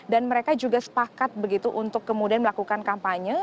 dan mereka juga sepakat untuk kemudian melakukan kampanye